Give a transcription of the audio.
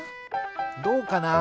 どうかな？